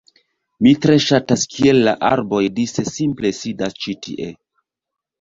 Mi tre ŝatas kiel la arboj dise simple sidas ĉi tie